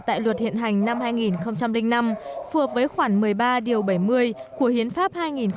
tại luật hiện hành năm hai nghìn năm phù hợp với khoảng một mươi ba điều bảy mươi của hiến pháp hai nghìn một mươi ba